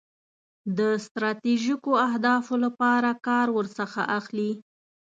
د ستراتیژیکو اهدافو لپاره کار ورڅخه اخلي.